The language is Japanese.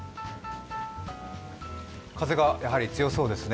風がやはり強そうですね。